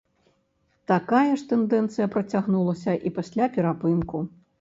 Такая ж тэндэнцыя працягнулася і пасля перапынку.